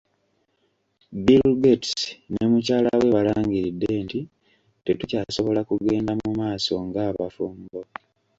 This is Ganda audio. Bill Gates ne mukyala we balangiridde nti tetukyasobola kugenda mu maaso ng'abafumbo.